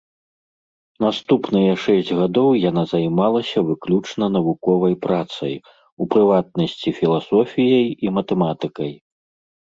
Наступныя шэсць гадоў яна займалася выключна навуковай працай, у прыватнасці філасофіяй і матэматыкай.